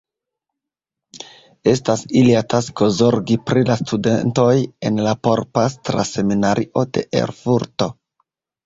Estas ilia tasko zorgi pri la studentoj en la Porpastra Seminario de Erfurto.